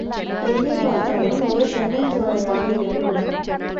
எங்கே பார்த்தாலும் ஒரே தென்னஞ் சோலையாக இருக்கும்.